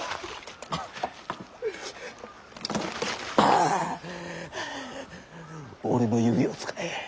ああはあ俺の指を使え。